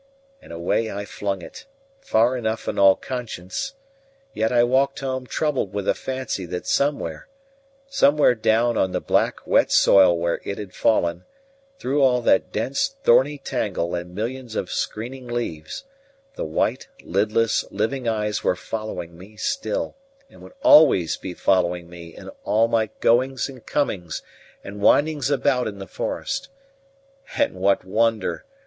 And away I flung it, far enough in all conscience: yet I walked home troubled with a fancy that somewhere, somewhere down on the black, wet soil where it had fallen, through all that dense, thorny tangle and millions of screening leaves, the white, lidless, living eyes were following me still, and would always be following me in all my goings and comings and windings about in the forest. And what wonder?